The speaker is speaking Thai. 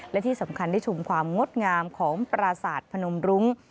และที่สำคัญได้ชมความงดงามของปราศาสตร์พนมรุ้ง